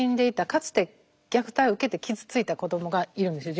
かつて虐待を受けて傷ついた子どもがいるんですよ